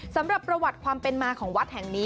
สำหรับประวัติความเป็นมาของวัดแห่งนี้